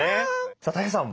さあたい平さん